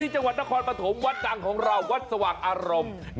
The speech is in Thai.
จังหวัดนครปฐมวัดดังของเราวัดสว่างอารมณ์